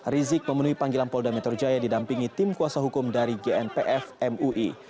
rizik memenuhi panggilan polda metro jaya didampingi tim kuasa hukum dari gnpf mui